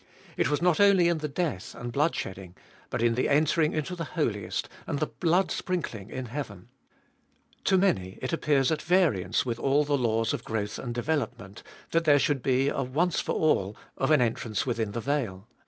It was not only in the death and blood shedding, but in the entering into the Holiest and the blood sprinkling in heaven. To many it appears at variance with all the laws of growth and development, that there should be a once for all of an entrance within the veil.